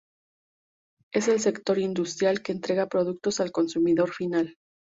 Es el sector industrial que entrega productos al consumidor final.